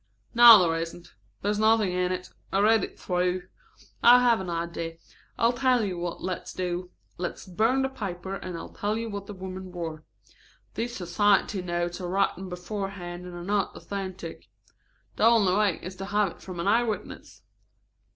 "No, there isn't. There's nothing in it. I read it through. I have an idea. I'll tell you what let's do. Let's burn the paper and I'll tell you what the women wore. These society notes are written beforehand and are not authentic. The only way is to have it from an eye witness.